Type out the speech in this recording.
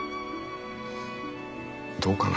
どうかな。